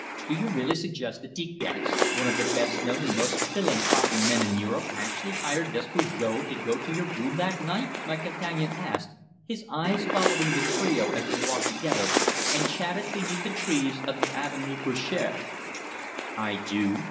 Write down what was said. "Do you really suggest that De Gex, one of the best known and most philanthropic men in Europe, actually hired Despujol to go to your room that night?" my companion asked, his eyes following the trio as they walked together and chatted beneath the trees of the Avenue Feuchères. "I do.